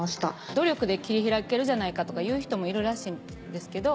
努力で切り開けるじゃないかとか言う人もいるらしいんですけど。